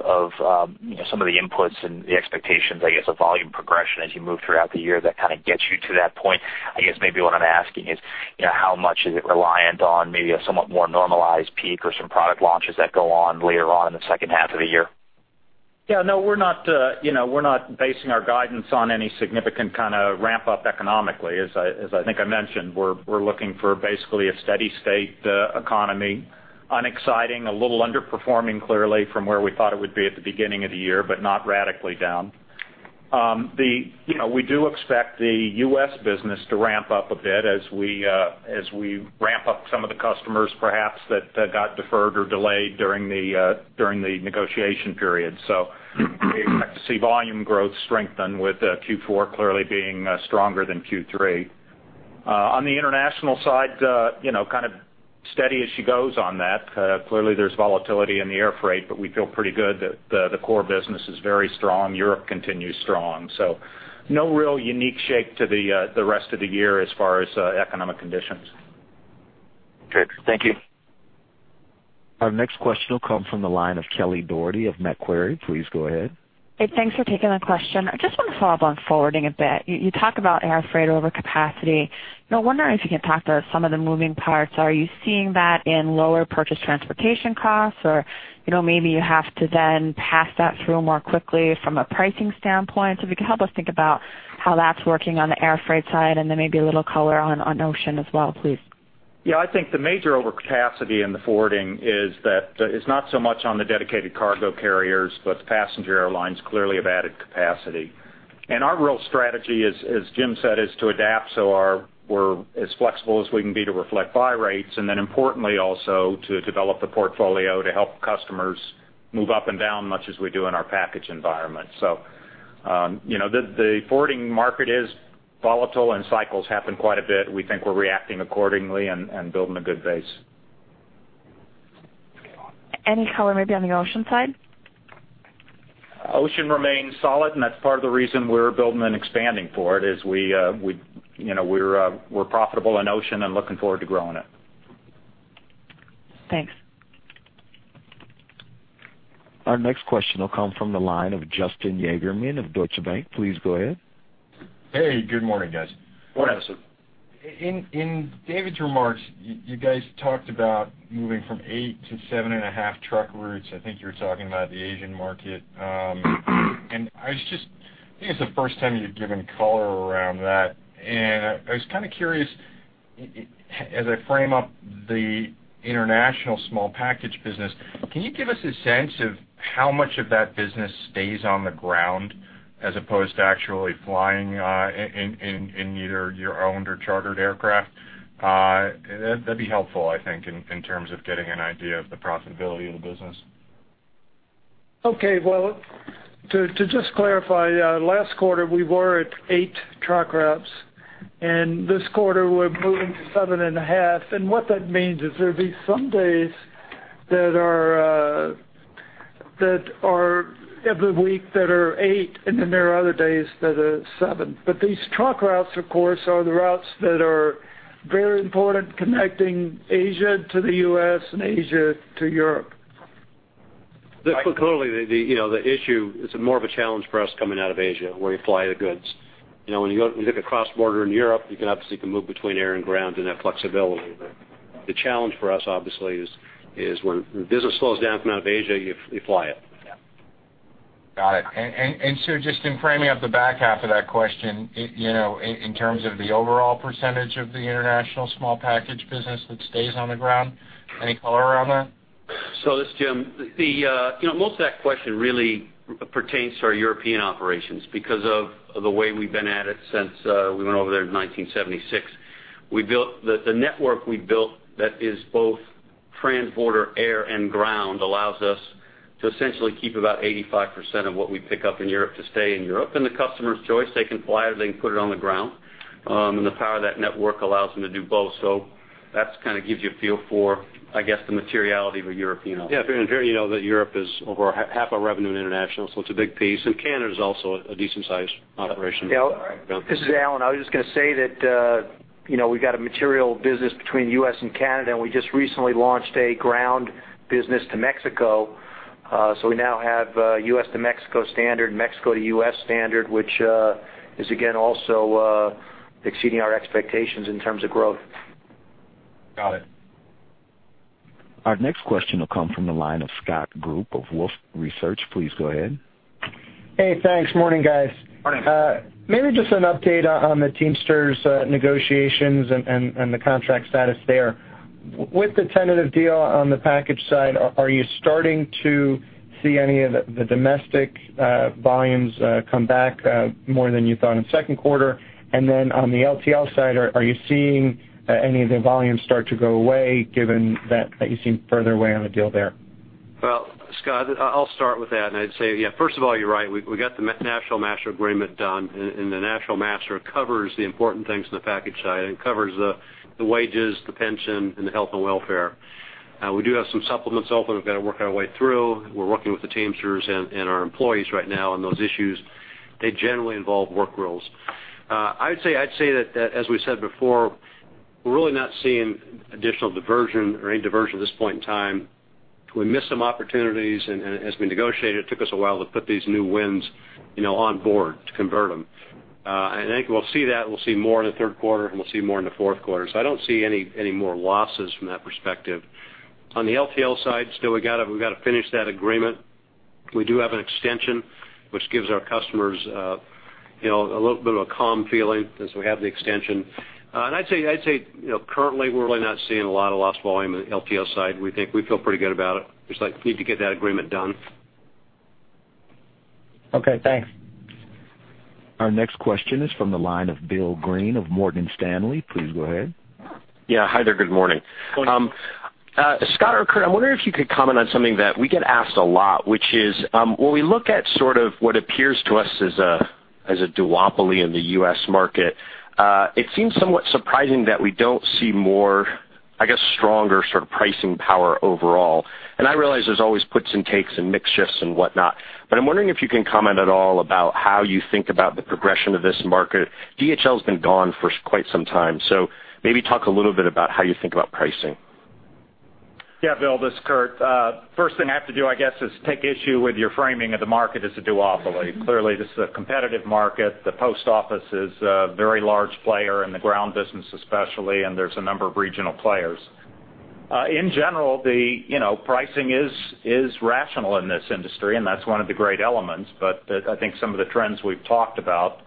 you know, some of the inputs and the expectations, I guess, of volume progression as you move throughout the year that kind of gets you to that point? I guess maybe what I'm asking is, you know, how much is it reliant on maybe a somewhat more normalized peak or some product launches that go on later on in the second half of the year? Yeah, no, we're not, you know, we're not basing our guidance on any significant kind of ramp up economically. As I, as I think I mentioned, we're, we're looking for basically a steady state, economy, unexciting, a little underperforming, clearly, from where we thought it would be at the beginning of the year, but not radically down. You know, we do expect the U.S. business to ramp up a bit as we, as we ramp up some of the customers, perhaps, that, that got deferred or delayed during the, during the negotiation period. So we expect to see volume growth strengthen with, Q4 clearly being, stronger than Q3. On the international side, you know, kind of steady as she goes on that. Clearly, there's volatility in the air freight, but we feel pretty good that the, the core business is very strong. Europe continues strong. So no real unique shape to the, the rest of the year as far as, economic conditions. Great. Thank you. Our next question will come from the line of Kelly Dougherty of Macquarie. Please go ahead. Hey, thanks for taking my question. I just want to follow up on forwarding a bit. You talk about air freight overcapacity. And I'm wondering if you can talk to some of the moving parts. Are you seeing that in lower purchase transportation costs? Or, you know, maybe you have to then pass that through more quickly from a pricing standpoint. So if you could help us think about how that's working on the air freight side and then maybe a little color on ocean as well, please. Yeah, I think the major overcapacity in the forwarding is that it's not so much on the dedicated cargo carriers, but the passenger airlines clearly have added capacity. And our real strategy is, as Jim said, to adapt so we're as flexible as we can be to reflect buy rates, and then importantly, also to develop the portfolio to help customers move up and down, much as we do in our package environment. So, you know, the forwarding market is volatile and cycles happen quite a bit. We think we're reacting accordingly and building a good base. Any color maybe on the ocean side? Ocean remains solid, and that's part of the reason we're building and expanding for it, is we, you know, we're profitable in ocean and looking forward to growing it. Thanks. Our next question will come from the line of Justin Yagerman of Deutsche Bank. Please go ahead. Hey, good morning, guys. Morning, sir. In David's remarks, you guys talked about moving from 8 to 7.5 truck routes. I think you were talking about the Asian market. And I was just—I think it's the first time you've given color around that. And I was kind of curious, as I frame up the international small package business, can you give us a sense of how much of that business stays on the ground as opposed to actually flying, in either your owned or chartered aircraft? That'd be helpful, I think, in terms of getting an idea of the profitability of the business. Okay, well, to, to just clarify, last quarter, we were at eight truck routes, and this quarter, we're moving to 7.5. And what that means is there'll be some days that are, that are every week, that are eight, and then there are other days that are seven. But these truck routes, of course, are the routes that are very important, connecting Asia to the US and Asia to Europe. Clearly, you know, the issue is more of a challenge for us coming out of Asia, where you fly the goods. You know, when you look across border in Europe, you can obviously move between air and ground and have flexibility. But the challenge for us, obviously, is when business slows down coming out of Asia, you fly it. Yeah. Got it. And so just in framing up the back half of that question, you know, in terms of the overall percentage of the international small package business that stays on the ground, any color around that? So this is Jim. You know, most of that question really pertains to our European operations because of the way we've been at it since we went over there in 1976. We built the network we built that is both transborder, air, and ground allows us to essentially keep about 85% of what we pick up in Europe to stay in Europe. And the customer's choice, they can fly it, or they can put it on the ground. And the power of that network allows them to do both. So that's kind of gives you a feel for, I guess, the materiality of a European operation. Yeah, and you know that Europe is over half our revenue in international, so it's a big piece. Canada is also a decent-sized operation. Yeah. All right. This is Alan. I was just going to say that, you know, we've got a material business between U.S. and Canada, and we just recently launched a ground business to Mexico. So we now have, U.S. to Mexico Standard, Mexico to U.S. Standard, which, is again, also, exceeding our expectations in terms of growth. Got it. Our next question will come from the line of Scott Group of Wolfe Research. Please go ahead. Hey, thanks. Morning, guys. Morning. Maybe just an update on the Teamsters negotiations and the contract status there. With the tentative deal on the package side, are you starting to see any of the domestic volumes come back more than you thought in the second quarter? And then on the LTL side, are you seeing any of the volumes start to go away, given that you seem further away on the deal there? Well, Scott, I'll start with that, and I'd say, yeah, first of all, you're right. We got the National Master Agreement done, and the National Master covers the important things on the package side, and it covers the wages, the pension, and the health and welfare. We do have some supplements also that we've got to work our way through. We're working with the Teamsters and our employees right now on those issues. They generally involve work rules. I'd say that as we said before, we're really not seeing additional diversion or any diversion at this point in time. We missed some opportunities, and as we negotiated, it took us a while to put these new wins, you know, on board to convert them. I think we'll see that, we'll see more in the third quarter, and we'll see more in the fourth quarter. So I don't see any more losses from that perspective. On the LTL side, still, we've got to finish that agreement. We do have an extension, which gives our customers, you know, a little bit of a calm feeling as we have the extension. And I'd say, you know, currently, we're really not seeing a lot of lost volume on the LTL side. We think we feel pretty good about it. Just, like, need to get that agreement done. Okay, thanks. Our next question is from the line of Bill Greene of Morgan Stanley. Please go ahead. Yeah. Hi there. Good morning. Good morning. Scott or Kurt, I'm wondering if you could comment on something that we get asked a lot, which is, when we look at sort of what appears to us as a duopoly in the US market, it seems somewhat surprising that we don't see more, I guess, stronger sort of pricing power overall. And I realize there's always puts and takes and mix shifts and whatnot, but I'm wondering if you can comment at all about how you think about the progression of this market. DHL has been gone for quite some time, so maybe talk a little bit about how you think about pricing. Yeah, Bill, this is Kurt. First thing I have to do, I guess, is take issue with your framing of the market as a duopoly. Clearly, this is a competitive market. The post office is a very large player in the ground business, especially, and there's a number of regional players. In general, you know, pricing is rational in this industry, and that's one of the great elements. But I think some of the trends we've talked about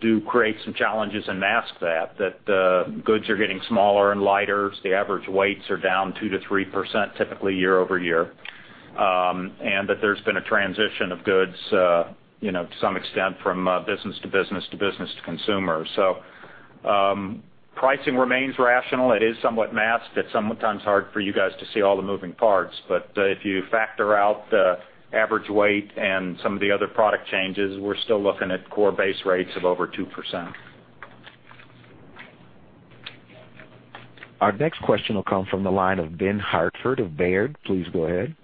do create some challenges and mask that the goods are getting smaller and lighter, the average weights are down 2%-3%, typically year-over-year. And that there's been a transition of goods, you know, to some extent from business to business to business to consumer. So, pricing remains rational. It is somewhat masked. It's sometimes hard for you guys to see all the moving parts, but, if you factor out the average weight and some of the other product changes, we're still looking at core base rates of over 2%. Our next question will come from the line of Ben Hartford of Baird. Please go ahead.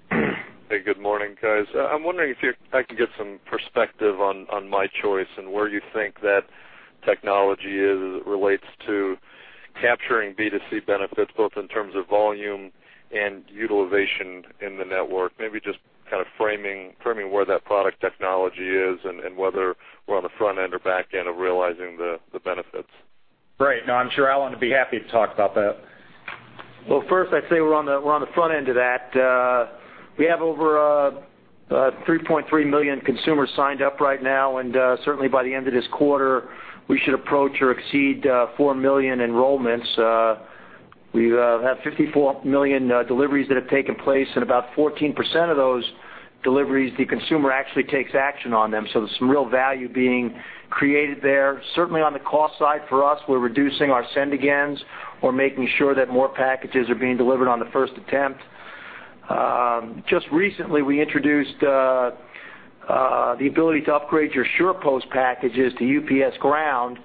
Hey, good morning, guys. I'm wondering if I can get some perspective on My Choice and where you think that technology is, as it relates to capturing B2C benefits, both in terms of volume and utilization in the network. Maybe just kind of framing where that product technology is and whether we're on the front end or back end of realizing the benefits. Great. Now, I'm sure Alan would be happy to talk about that. Well, first, I'd say we're on the front end of that. We have over 3.3 million consumers signed up right now, and certainly by the end of this quarter, we should approach or exceed 4 million enrollments. We have 54 million deliveries that have taken place, and about 14% of those deliveries, the consumer actually takes action on them. So there's some real value being created there. Certainly on the cost side, for us, we're reducing our send agains. We're making sure that more packages are being delivered on the first attempt. Just recently, we introduced the ability to upgrade your SurePost packages to UPS Ground,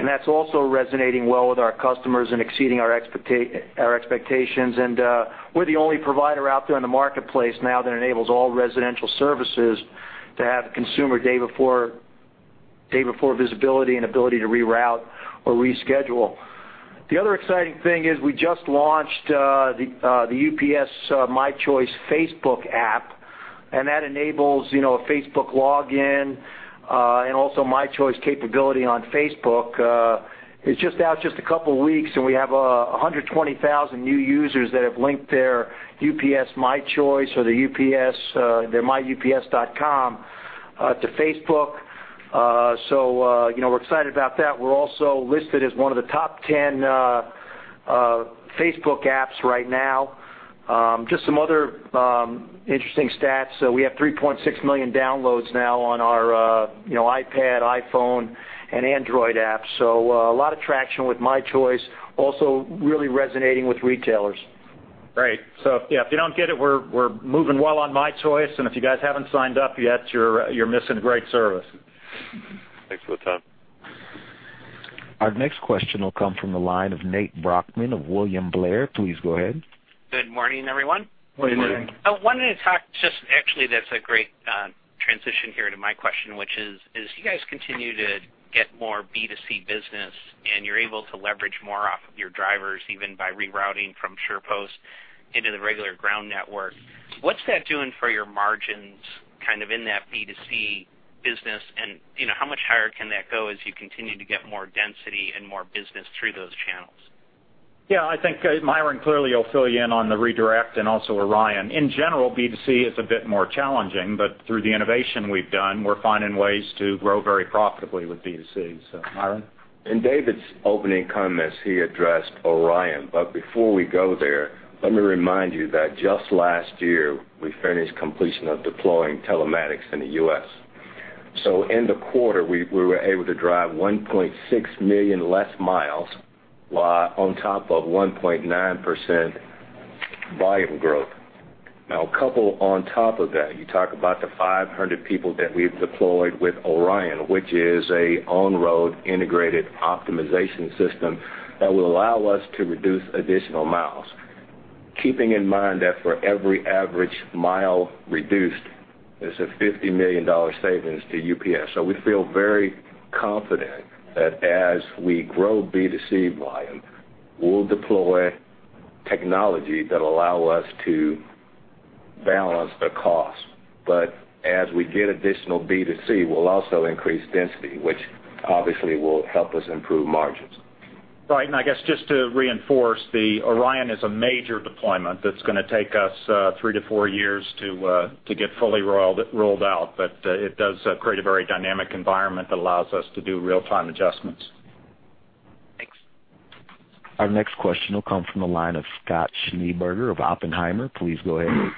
and that's also resonating well with our customers and exceeding our expectations. We're the only provider out there in the marketplace now that enables all residential services to have consumer day before, day before visibility and ability to reroute or reschedule. The other exciting thing is we just launched the UPS My Choice Facebook app, and that enables, you know, a Facebook login and also My Choice capability on Facebook. It's just out just a couple of weeks, and we have 120,000 new users that have linked their UPS My Choice or the UPS their myups.com to Facebook. So, you know, we're excited about that. We're also listed as one of the top 10 Facebook apps right now. Just some other interesting stats. So we have 3.6 million downloads now on our, you know, iPad, iPhone and Android apps. So, a lot of traction with My Choice, also really resonating with retailers. Great. So, yeah, if you don't get it, we're moving well on My Choice, and if you guys haven't signed up yet, you're missing a great service. Thanks for the time. Our next question will come from the line of Nate Brochmann of William Blair. Please go ahead. Good morning, everyone. Morning. Morning. I wanted to talk just *audio distortion* actually, that's a great transition here to my question, which is, as you guys continue to get more B2C business, and you're able to leverage more off of your drivers, even by rerouting from SurePost into the regular ground network, what's that doing for your margins, kind of in that B2C business? And, you know, how much higher can that go as you continue to get more density and more business through those channels? Yeah, I think Myron clearly will fill you in on the Redirect and also ORION. In general, B2C is a bit more challenging, but through the innovation we've done, we're finding ways to grow very profitably with B2C. So, Myron? In David's opening comments, he addressed ORION, but before we go there, let me remind you that just last year, we finished completion of deploying telematics in the US. So in the quarter, we were able to drive 1.6 million less miles, while on top of 1.9% volume growth. Now, a couple on top of that, you talk about the 500 people that we've deployed with ORION, which is an on-road integrated optimization system that will allow us to reduce additional miles. Keeping in mind that for every average mile reduced, there's a $50 million savings to UPS. So we feel very confident that as we grow B2C volume, we'll deploy technology that allow us to balance the cost. But as we get additional B2C, we'll also increase density, which obviously will help us improve margins. Right. And I guess just to reinforce, ORION is a major deployment that's going to take us 3-4 years to get fully rolled out. But it does create a very dynamic environment that allows us to do real-time adjustments. Thanks. Our next question will come from the line of Scott Schneeberger of Oppenheimer. Please go ahead.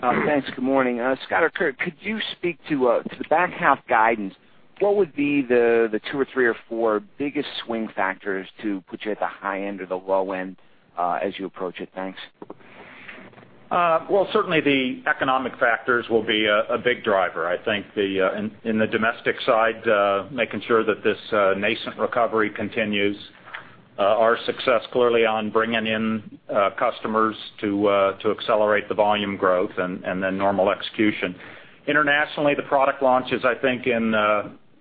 Thanks. Good morning. Scott, could you speak to the back half guidance? What would be the two or three or four biggest swing factors to put you at the high end or the low end, as you approach it? Thanks. Well, certainly, the economic factors will be a big driver. I think in the domestic side, making sure that this nascent recovery continues. Our success clearly on bringing in customers to accelerate the volume growth and then normal execution. Internationally, the product launches, I think, in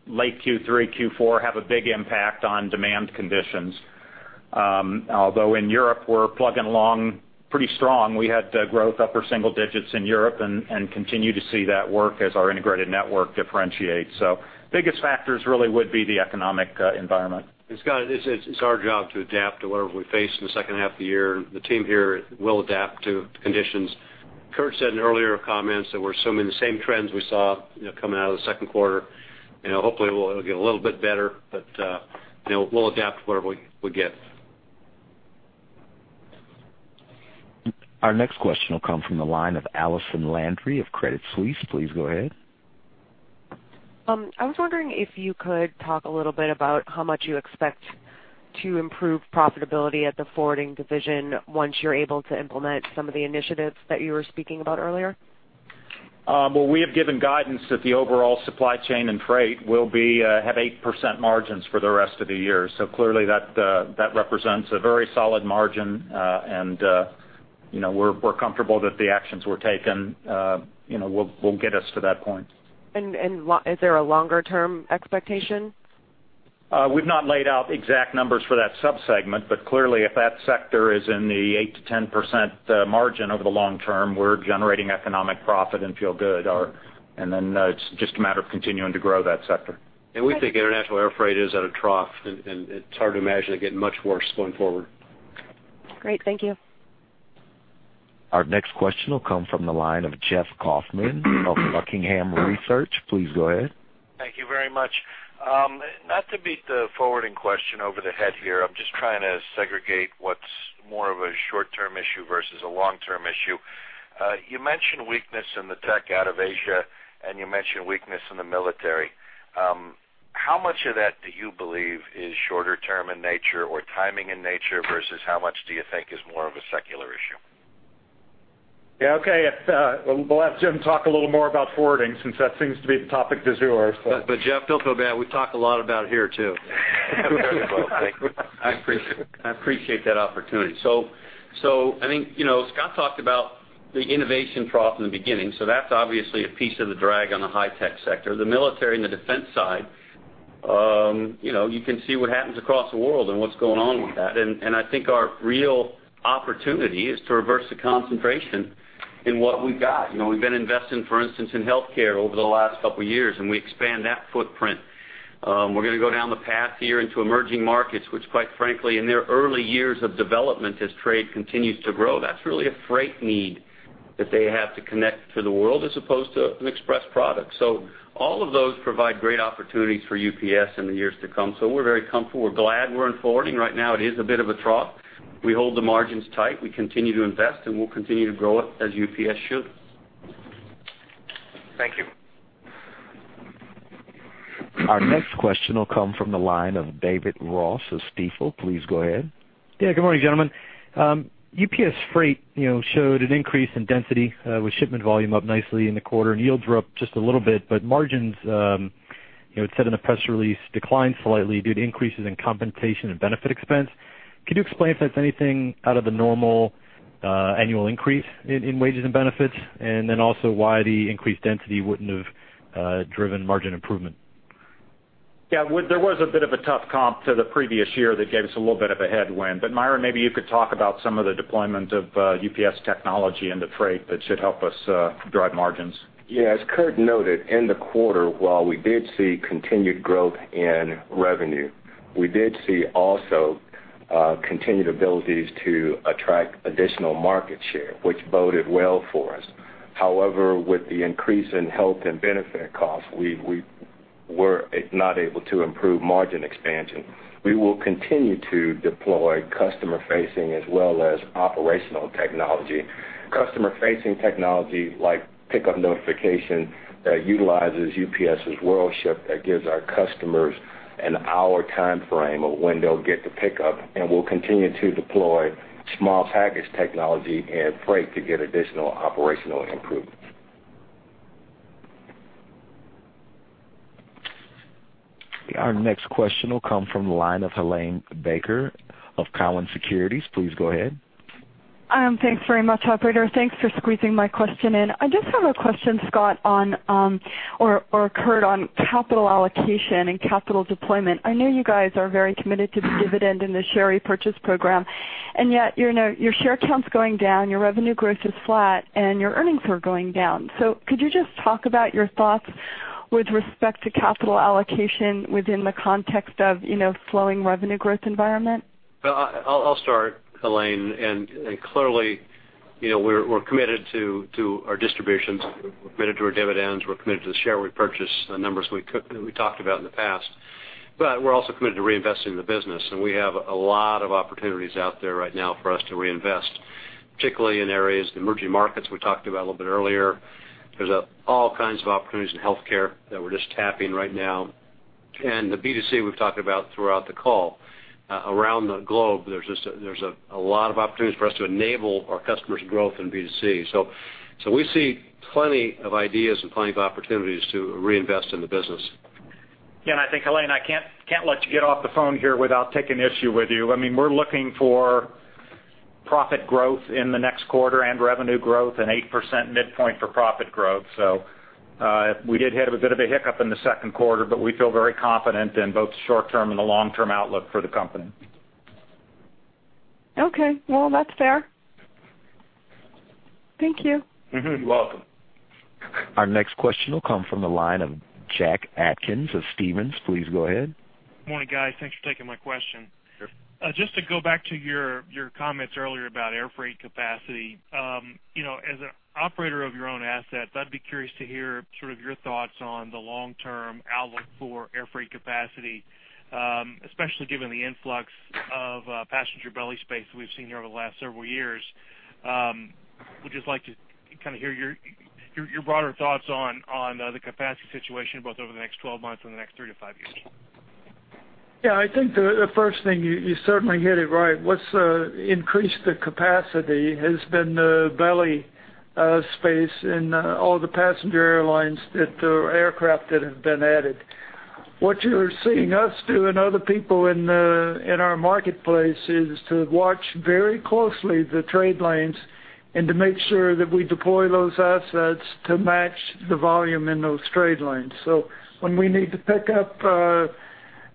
late Q3, Q4, have a big impact on demand conditions. Although in Europe, we're plugging along pretty strong. We had growth upper single digits in Europe and continue to see that work as our integrated network differentiates. So biggest factors really would be the economic environment. Scott, it's our job to adapt to whatever we face in the second half of the year. The team here will adapt to conditions. Kurt said in earlier comments that we're assuming the same trends we saw, you know, coming out of the second quarter. You know, hopefully, it will get a little bit better, but, you know, we'll adapt to whatever we get. Our next question will come from the line of Allison Landry of Credit Suisse. Please go ahead. I was wondering if you could talk a little bit about how much you expect to improve profitability at the forwarding division once you're able to implement some of the initiatives that you were speaking about earlier. Well, we have given guidance that the overall supply chain and freight will have 8% margins for the rest of the year. So clearly, that represents a very solid margin, and you know, we're comfortable that the actions were taken, you know, will get us to that point. Is there a longer-term expectation? We've not laid out exact numbers for that subsegment, but clearly, if that sector is in the 8%-10% margin over the long term, we're generating economic profit and feel good, or... And then, it's just a matter of continuing to grow that sector. We think international air freight is at a trough, and it's hard to imagine it getting much worse going forward. Great. Thank you. Our next question will come from the line of Jeffrey Kauffman of Buckingham Research. Please go ahead. Thank you very much. Not to beat the forwarding question over the head here, I'm just trying to segregate what's more of a short-term issue versus a long-term issue. You mentioned weakness in the tech out of Asia, and you mentioned weakness in the military. How much of that do you believe is shorter term in nature or timing in nature, versus how much do you think is more of a secular issue? Yeah, okay. We'll let Jim talk a little more about forwarding, since that seems to be the topic du jour. But, Jeff, don't feel bad. We've talked a lot about it here, too. I appreciate, I appreciate that opportunity. So, so I think, you know, Scott talked about the innovation trough in the beginning, so that's obviously a piece of the drag on the high-tech sector. The military and the defense side, you know, you can see what happens across the world and what's going on with that. And, and I think our real opportunity is to reverse the concentration in what we've got. You know, we've been investing, for instance, in healthcare over the last couple of years, and we expand that footprint. We're going to go down the path here into emerging markets, which, quite frankly, in their early years of development, as trade continues to grow, that's really a freight need that they have to connect to the world as opposed to an express product. So all of those provide great opportunities for UPS in the years to come. So we're very comfortable. We're glad we're in forwarding. Right now, it is a bit of a trough. We hold the margins tight, we continue to invest, and we'll continue to grow it as UPS should. Thank you. Our next question will come from the line of David Ross of Stifel. Please go ahead. Yeah, good morning, gentlemen. UPS Freight, you know, showed an increase in density with shipment volume up nicely in the quarter, and yields were up just a little bit, but margins, you know, it said in the press release, declined slightly due to increases in compensation and benefit expense. Can you explain if that's anything out of the normal annual increase in wages and benefits? And then also, why the increased density wouldn't have driven margin improvement? Yeah, well, there was a bit of a tough comp to the previous year that gave us a little bit of a headwind. But Myron, maybe you could talk about some of the deployment of UPS technology into freight that should help us drive margins. Yeah, as Kurt noted, in the quarter, while we did see continued growth in revenue, we did see also continued abilities to attract additional market share, which boded well for us. However, with the increase in health and benefit costs, we, we were not able to improve margin expansion. We will continue to deploy customer-facing as well as operational technology. Customer-facing technology, like pickup notification, that utilizes UPS's WorldShip, that gives our customers an hour timeframe of when they'll get the pickup, and we'll continue to deploy small package technology and freight to get additional operational improvements. Our next question will come from the line of Helane Becker of Cowen Securities. Please go ahead. Thanks very much, operator. Thanks for squeezing my question in. I just have a question, Scott, on or Kurt, on capital allocation and capital deployment. I know you guys are very committed to the dividend and the share repurchase program, and yet, you know, your share count's going down, your revenue growth is flat, and your earnings are going down. So could you just talk about your thoughts with respect to capital allocation within the context of, you know, slowing revenue growth environment? Well, I'll start, Helane, and clearly, you know, we're committed to our distributions, we're committed to our dividends, we're committed to the share repurchase, the numbers we talked about in the past. But we're also committed to reinvesting in the business, and we have a lot of opportunities out there right now for us to reinvest, particularly in areas, the emerging markets we talked about a little bit earlier. There's all kinds of opportunities in healthcare that we're just tapping right now. And the B2C we've talked about throughout the call. Around the globe, there's just a lot of opportunities for us to enable our customers' growth in B2C. So we see plenty of ideas and plenty of opportunities to reinvest in the business. Yeah, and I think, Helane, I can't let you get off the phone here without taking issue with you. I mean, we're looking for profit growth in the next quarter and revenue growth and 8% midpoint for profit growth. So, we did have a bit of a hiccup in the second quarter, but we feel very confident in both the short-term and the long-term outlook for the company. Okay. Well, that's fair. Thank you. Mm-hmm, you're welcome. Our next question will come from the line of Jack Atkins of Stephens. Please go ahead. Good morning, guys. Thanks for taking my question. Sure. Just to go back to your comments earlier about airfreight capacity. You know, as an operator of your own assets, I'd be curious to hear sort of your thoughts on the long-term outlook for airfreight capacity, especially given the influx of passenger belly space we've seen here over the last several years. Would just like to kind of hear your broader thoughts on the capacity situation, both over the next 12 months and the next 3-5 years. Yeah, I think the first thing, you certainly hit it right. What's increased the capacity has been the belly space and all the passenger airlines that the aircraft that have been added. What you're seeing us do and other people in our marketplace, is to watch very closely the trade lanes and to make sure that we deploy those assets to match the volume in those trade lanes. So when we need to pick up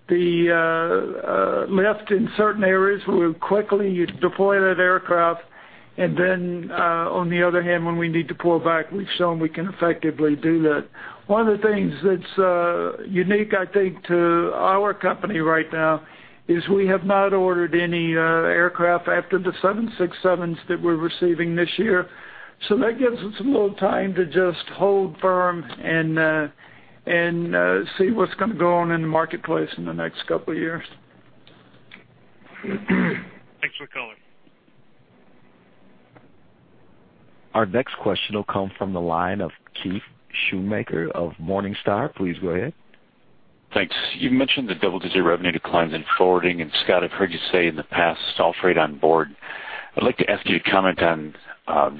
the lift in certain areas, we quickly deploy that aircraft, and then on the other hand, when we need to pull back, we've shown we can effectively do that. One of the things that's unique, I think, to our company right now is we have not ordered any aircraft after the 767s that we're receiving this year. That gives us a little time to just hold firm and see what's going to go on in the marketplace in the next couple of years. Thanks for calling. Our next question will come from the line of Keith Schoonmaker of Morningstar. Please go ahead. Thanks. You mentioned the double-digit revenue declines in forwarding, and Scott, I've heard you say in the past, all freight on board. I'd like to ask you to comment on,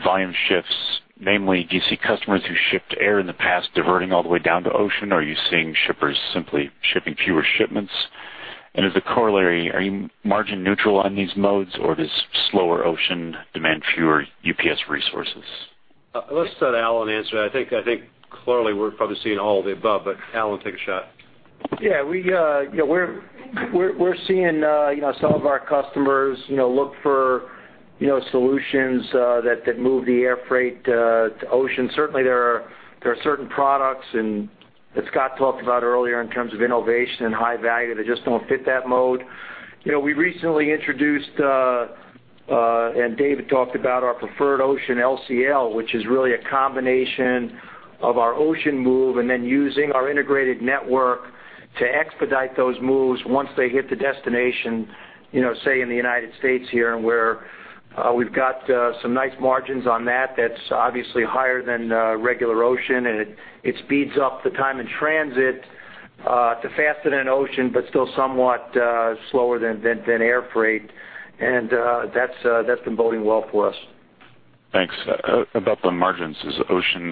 volume shifts. Namely, do you see customers who shipped air in the past diverting all the way down to ocean? Are you seeing shippers simply shipping fewer shipments? And as a corollary, are you margin neutral on these modes, or does slower ocean demand fewer UPS resources? Let's let Alan answer that. I think, I think clearly we're probably seeing all of the above, but Alan, take a shot. Yeah, we, you know, we're seeing, you know, some of our customers, you know, look for, you know, solutions that move the air freight to ocean. Certainly, there are certain products and that Scott talked about earlier in terms of innovation and high value that just don't fit that mode. You know, we recently introduced, and David talked about our Preferred Ocean LCL, which is really a combination of our ocean move, and then using our integrated network to expedite those moves once they hit the destination, you know, say, in the United States here, and where we've got some nice margins on that. That's obviously higher than regular ocean, and it speeds up the time in transit to faster than ocean, but still somewhat slower than air freight. That's been boding well for us. Thanks. About the margins, is ocean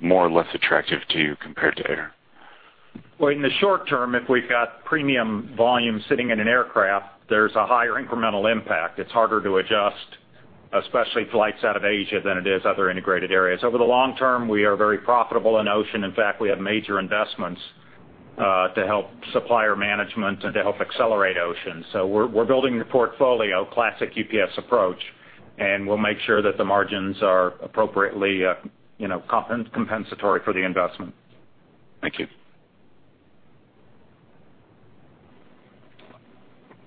more or less attractive to you compared to air? Well, in the short term, if we've got premium volume sitting in an aircraft, there's a higher incremental impact. It's harder to adjust, especially flights out of Asia, than it is other integrated areas. Over the long term, we are very profitable in ocean. In fact, we have major investments to help supplier management and to help accelerate ocean. So we're building the portfolio, classic UPS approach, and we'll make sure that the margins are appropriately, you know, compensatory for the investment. Thank you.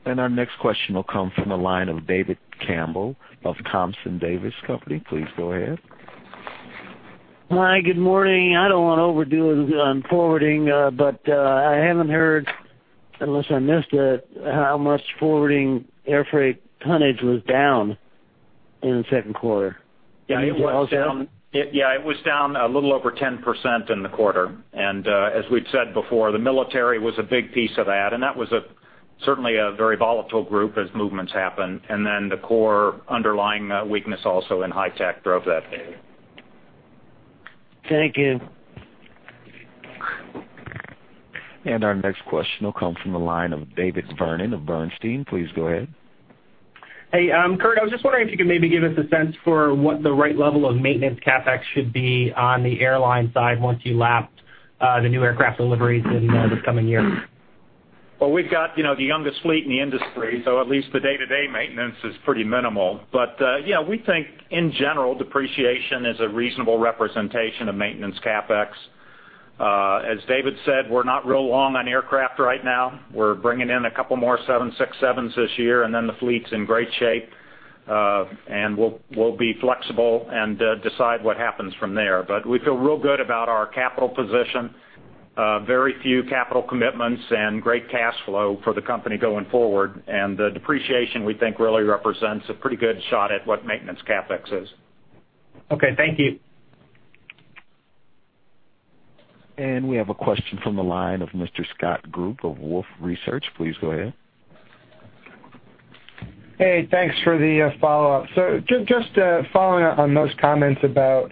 Our next question will come from the line of David Campbell of Thompson Davis & Co. Please go ahead. Hi, good morning. I don't want to overdo on forwarding, but, I haven't heard, unless I missed it, how much forwarding air freight tonnage was down in the second quarter? Yeah, it was down. Yeah, it was down a little over 10% in the quarter. And, as we've said before, the military was a big piece of that, and that was certainly a very volatile group as movements happen. And then the core underlying weakness also in high tech drove that data. Thank you. Our next question will come from the line of David Vernon of Bernstein. Please go ahead. Hey, Kurt, I was just wondering if you could maybe give us a sense for what the right level of maintenance CapEx should be on the airline side once you lap the new aircraft deliveries in the coming years? Well, we've got, you know, the youngest fleet in the industry, so at least the day-to-day maintenance is pretty minimal. But, we think in general, depreciation is a reasonable representation of maintenance CapEx. As David said, we're not real long on aircraft right now. We're bringing in a couple more 767s this year, and then the fleet's in great shape. And we'll, we'll be flexible and, decide what happens from there. But we feel real good about our capital position. Very few capital commitments and great cash flow for the company going forward. And the depreciation, we think, really represents a pretty good shot at what maintenance CapEx is. Okay, thank you. We have a question from the line of Mr. Scott Group of Wolfe Research. Please go ahead. Hey, thanks for the follow-up. So just following up on those comments about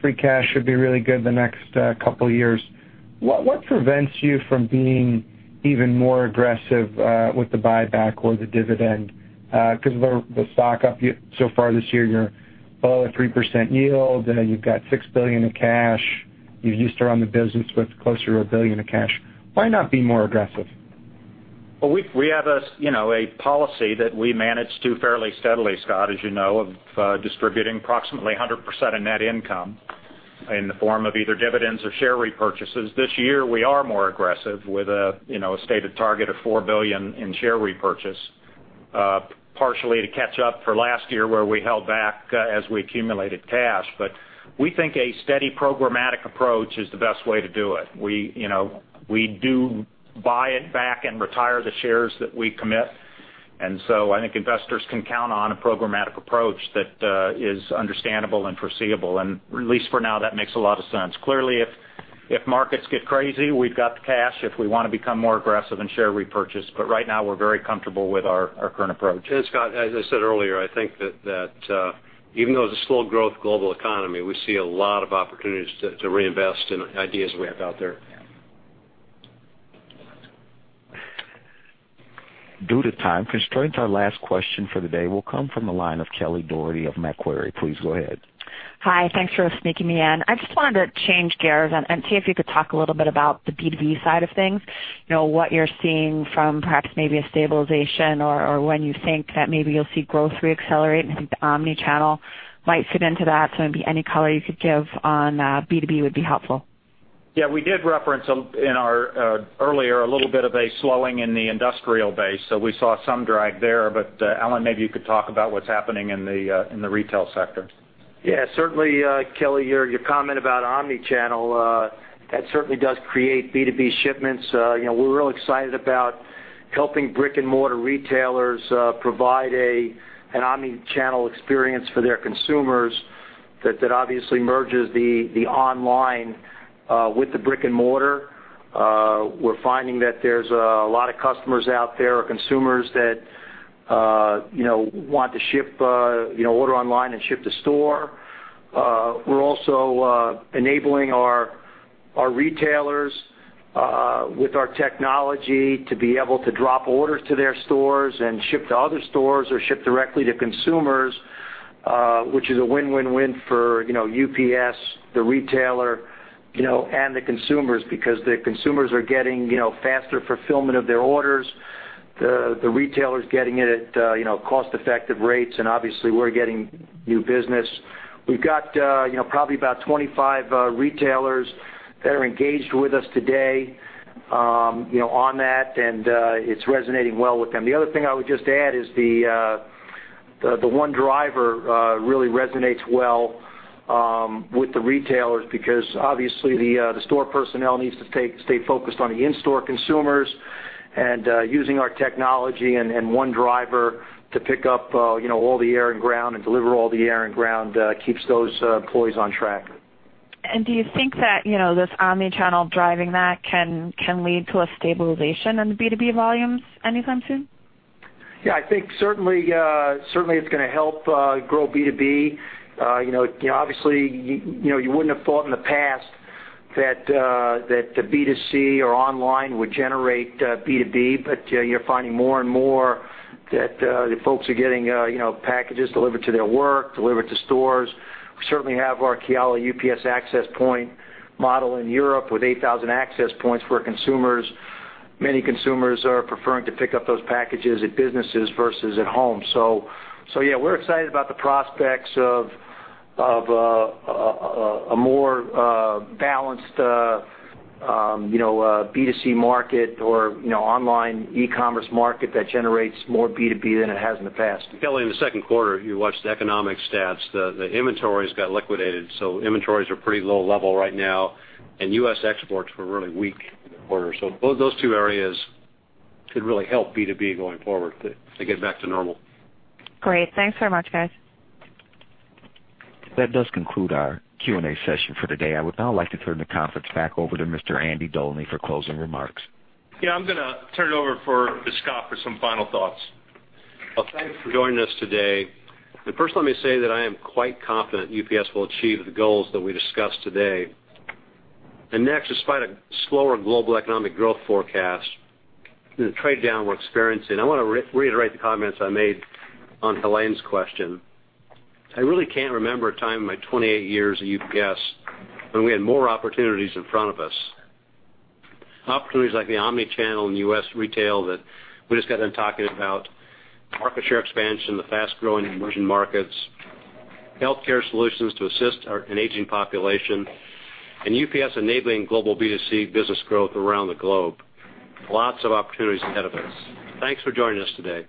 free cash should be really good the next couple of years. What prevents you from being even more aggressive with the buyback or the dividend? Because the stock up so far this year, you're below a 3% yield, and you've got $6 billion in cash. You used to run the business with closer to $1 billion of cash. Why not be more aggressive? Well, we have a, you know, a policy that we manage to fairly steadily, Scott, as you know, of distributing approximately 100% of net income in the form of either dividends or share repurchases. This year, we are more aggressive with a, you know, a stated target of $4 billion in share repurchase, partially to catch up for last year, where we held back, as we accumulated cash. But we think a steady programmatic approach is the best way to do it. We, you know, we do buy it back and retire the shares that we commit, and so I think investors can count on a programmatic approach that is understandable and foreseeable, and at least for now, that makes a lot of sense. Clearly, if markets get crazy, we've got the cash if we want to become more aggressive in share repurchase, but right now, we're very comfortable with our current approach. And Scott, as I said earlier, I think that even though it's a slow-growth global economy, we see a lot of opportunities to reinvest in ideas we have out there. Yeah. Due to time constraints, our last question for the day will come from the line of Kelly Dougherty of Macquarie. Please go ahead. Hi, thanks for sneaking me in. I just wanted to change gears and see if you could talk a little bit about the B2B side of things. You know, what you're seeing from perhaps maybe a stabilization or when you think that maybe you'll see growth reaccelerate. I think the omni-channel might fit into that, so maybe any color you could give on B2B would be helpful. Yeah, we did reference, in our earlier, a little bit of a slowing in the industrial base, so we saw some drag there. But, Alan, maybe you could talk about what's happening in the retail sector. Yeah, certainly, Kelly, your, your comment about omni-channel, that certainly does create B2B shipments. You know, we're real excited about helping brick-and-mortar retailers, provide a, an omni-channel experience for their consumers that, that obviously merges the, the online, with the brick-and-mortar. We're finding that there's, a lot of customers out there or consumers that, you know, want to ship, you know, order online and ship to store. We're also enabling our retailers with our technology to be able to drop orders to their stores and ship to other stores or ship directly to consumers, which is a win-win-win for, you know, UPS, the retailer, you know, and the consumers, because the consumers are getting, you know, faster fulfillment of their orders, the retailers getting it at, you know, cost-effective rates, and obviously, we're getting new business. We've got, you know, probably about 25 retailers that are engaged with us today, you know, on that, and it's resonating well with them. The other thing I would just add is the one driver really resonates well with the retailers, because obviously the store personnel needs to stay focused on the in-store consumers. Using our technology and one driver to pick up, you know, all the air and ground and deliver all the air and ground keeps those employees on track. Do you think that, you know, this omni-channel driving that can, can lead to a stabilization in the B2B volumes anytime soon? Yeah, I think certainly, certainly it's going to help, grow B2B. You know, obviously, you, you know, you wouldn't have thought in the past that, that the B2C or online would generate, B2B, but, you're finding more and more that, the folks are getting, you know, packages delivered to their work, delivered to stores. We certainly have our Kiala UPS Access Point model in Europe with 8,000 access points where consumers... Many consumers are preferring to pick up those packages at businesses versus at home. So, so yeah, we're excited about the prospects of, of, a more, balanced, you know, B2C market or, you know, online e-commerce market that generates more B2B than it has in the past. Kelly, in the second quarter, if you watched the economic stats, the inventories got liquidated, so inventories are pretty low level right now, and US exports were really weak in the quarter. So both those two areas could really help B2B going forward to get back to normal. Great. Thanks very much, guys. That does conclude our Q&A session for today. I would now like to turn the conference back over to Mr. Andy Dolny for closing remarks. Yeah, I'm gonna turn it over to Scott for some final thoughts. Well, thank you for joining us today. First, let me say that I am quite confident UPS will achieve the goals that we discussed today. Next, despite a slower global economic growth forecast and the trade-down we're experiencing, I want to reiterate the comments I made on Helane's question. I really can't remember a time in my 28 years at UPS when we had more opportunities in front of us. Opportunities like the omni-channel in US retail that we just got done talking about, market share expansion in the fast-growing emerging markets, healthcare solutions to assist an aging population, and UPS enabling global B2C business growth around the globe. Lots of opportunities ahead of us. Thanks for joining us today.